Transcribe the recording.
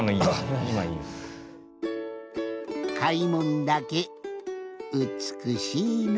かいもんだけうつくしいの。